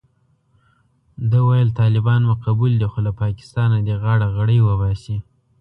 ده ویل طالبان مو قبول دي خو له پاکستانه دې غاړه غړۍ وباسي.